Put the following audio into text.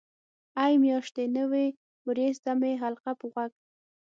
ای میاشتې نوې وریځ ته مې حلقه په غوږ.